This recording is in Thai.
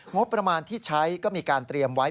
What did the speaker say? งบประมาณที่ใช้ก็มีการเตรียมไว้